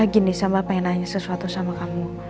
gini sama pengen nanya sesuatu sama kamu